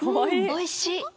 おいしい